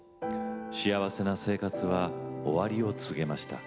幸せな生活は終わりを告げました。